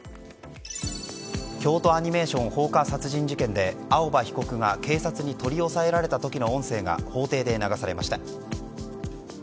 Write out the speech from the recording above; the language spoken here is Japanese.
京都アニメーション放火殺人事件で青葉被告が警察に取り押さえられた時の音声が法廷で流されました。